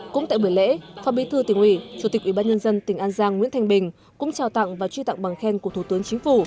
cũng tại buổi lễ phó bí thư tỉnh ủy chủ tịch ủy ban nhân dân tỉnh an giang nguyễn thanh bình cũng trao tặng và truy tặng bằng khen của thủ tướng chính phủ